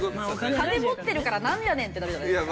金持ってるからなんやねんってなるじゃないですか。